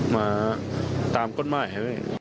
มาตามก้นไหม